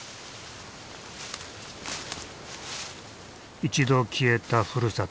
一度消えたふるさと。